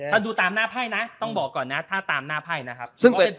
ถ้าดูตามหน้าไพ่นะต้องบอกก่อนนะถ้าตามหน้าไพ่นะครับ